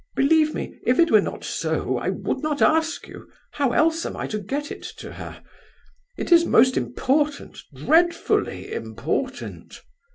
"Believe me, if it were not so, I would not ask you; how else am I to get it to her? It is most important, dreadfully important!"